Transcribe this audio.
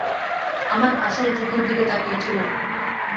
আমার আসল চোখের দিকে তাকিয়ে-ছিলেন।